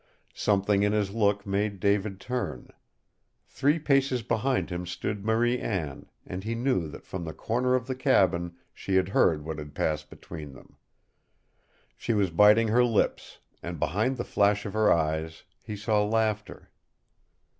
Something in his look made David turn. Three paces behind him stood Marie Anne, and he knew that from the corner of the cabin she had heard what had passed between them. She was biting her lips, and behind the flash of her eyes he saw laughter.